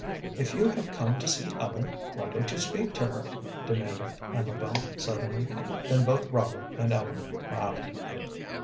"If you have come to see Ellen, why don't you speak to her?" demanded Amabel, suddenly. Then both Robert and Ellen laughed.